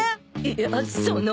いやその。